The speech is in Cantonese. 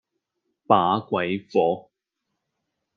把鬼火